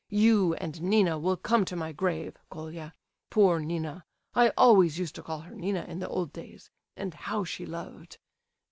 You and Nina will come to my grave, Colia; poor Nina, I always used to call her Nina in the old days, and how she loved....